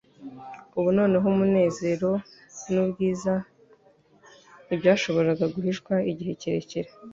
Ubu noneho, umunezero n'ubwiza ntibyashoboraga guhishwa igihe kirekire.